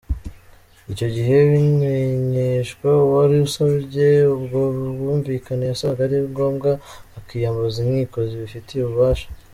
Icyo gihe bimenyeshwa uwari wasabye ubwo bwumvikane yasanga ari ngombwa akiyambaza inkiko zibifitiye ububasha.